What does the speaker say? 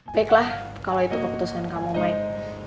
baiklah kalau itu keputusan kamu main